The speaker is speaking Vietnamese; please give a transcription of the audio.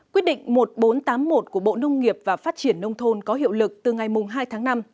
quyết định một nghìn bốn trăm tám mươi một của bộ nông nghiệp và phát triển nông thôn có hiệu lực từ ngày hai tháng năm